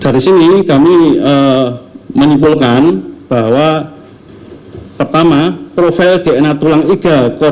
dari sini kami menimpulkan bahwa ze saya mempunyai profesional outside kamion